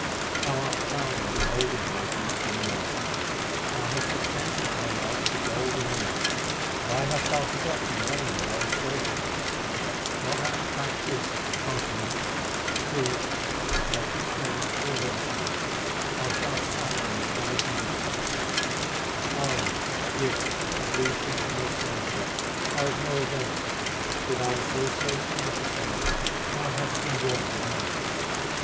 Thou art proud on beholding thy beauty and wealth. Thou hast extended thy love to gold and woman ; why hast thou forgotten the Name and gone astray ? 1 A title applied to Brahmans by Hindus. SIKH, i A a 354 THE SIKH RELIGION Not having practised continence, truth, self restraint, or virtue, thou shalt suffer in the skeleton of a ghost. Alms gifts, ablutions, and austerities are of no avail ; without association with the saints, thou hast been born in vain.